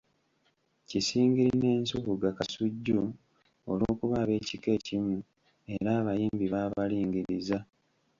Kisingiri ne Nsubuga Kasujju olw'okuba ab'ekika ekimu, era abayimbi baabalingiriza.